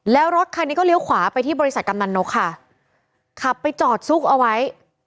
แล้วรถคันนี้ก็เลี้ยวขวาไปที่บริษัทกำนันนกค่ะขับไปจอดซุกเอาไว้